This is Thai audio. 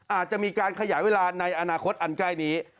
อาจจะมีการขยายเวลาในอนาคตอันใกล้นี้